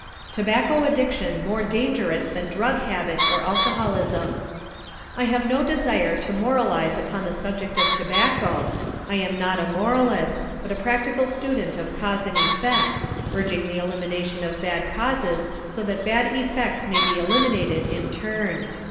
TOBACCO ADDICTION MORE DANGEROUS THAN DRUG HABIT OR ALCOHOLISM I have no desire to moralize upon the subject of tobacco. I am not a moralist, but a practical student of cause and effect, urging the elimination of bad causes so that bad effects may be eliminated in turn.